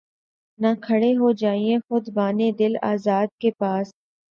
نہ کھڑے ہوجیے خُوبانِ دل آزار کے پاس